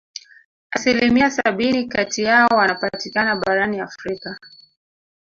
Asilimia sabini kati yao wanapatikana barani Afrika